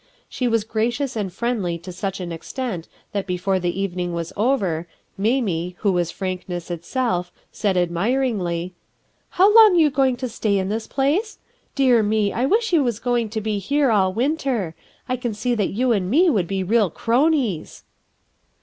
She was gracious and friendly to such an extent that before the evening was over, Mamie, who was frankness itself; said admiringly: — "How long you going to stay in this place ? Dear me 1 I wish you was going to be here all winter; I can see that you and me would be real cronies."